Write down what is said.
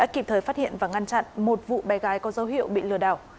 kịp thời phát hiện và ngăn chặn một vụ bé gái có dấu hiệu bị lừa đảo